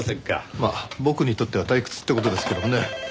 まあ僕にとっては退屈って事ですけどもね。